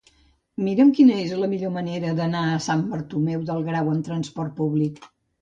Mira'm quina és la millor manera d'anar a Sant Bartomeu del Grau amb trasport públic.